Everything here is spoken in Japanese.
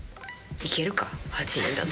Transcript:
いけるか、８人だと。